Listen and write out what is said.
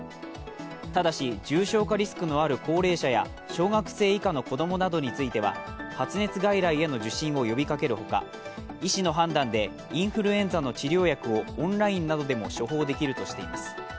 ただし、重症化リスクのある高齢者や小学生以下の子供などについては発熱外来への受診を呼びかけるほか医師の判断でインフルエンザの治療薬をオンラインなどでも処方できるとしています。